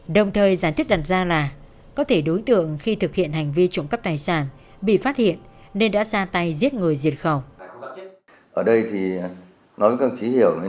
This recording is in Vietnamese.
đồng thời gián thức đặt ra là có thể đối tượng khi thực hiện hành vi trụng cấp tài sản bị phát hiện nên đã xa tay giết người diệt khẩu